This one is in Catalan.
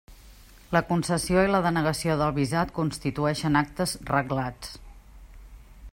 La concessió i la denegació del visat constitueixen actes reglats.